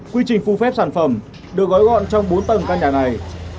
quy trình phù phép sản phẩm được gói gọn trong bốn tầng căn nhà này